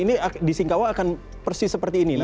ini di singkawa akan persis seperti ini